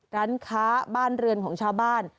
ร้านค้าบ้านเรือนของชาวบ้าน